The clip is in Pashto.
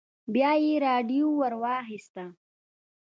بيا يې راډيو ور واخيسته.